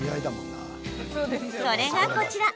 それが、こちら。